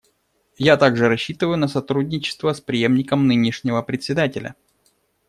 Я также рассчитываю на сотрудничество с преемником нынешнего Председателя.